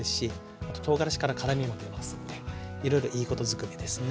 あととうがらしから辛みも出ますんでいろいろいいことずくめですね。